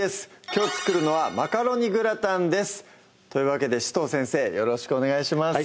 きょう作るのは「マカロニグラタン」ですというわけで紫藤先生よろしくお願いします